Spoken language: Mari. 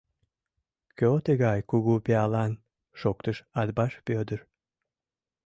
Кӧ тыгай кугу пиалан, — шоктыш Атбаш Вӧдыр.